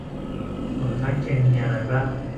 ผลข้างเคียงมีอะไรบ้าง